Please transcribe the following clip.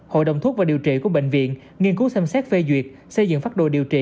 hội đồng thuốc và điều trị của bệnh viện nghiên cứu xem xét phê duyệt xây dựng pháp đồ điều trị